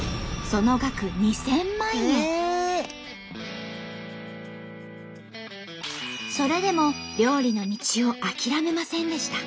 その額それでも料理の道を諦めませんでした。